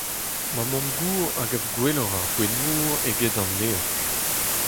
Ma mamm-gozh a gav gwelloc'h ar boued-mor eget an eog.